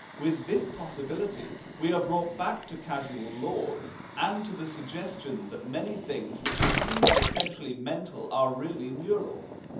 With this possibility, we are brought back to causal laws, and to the suggestion that many things which seem essentially mental are really neural.